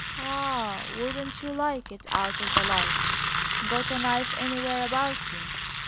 "Ah! wouldn't you like it? Out of the light! Got a knife anywhere about you?"